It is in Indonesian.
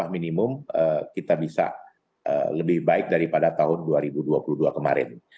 minimum kita bisa lebih baik daripada tahun dua ribu dua puluh dua kemarin